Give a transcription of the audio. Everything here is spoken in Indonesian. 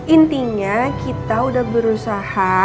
intinya kita udah berusaha